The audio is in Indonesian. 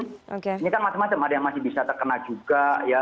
ini kan macam macam ada yang masih bisa terkena juga ya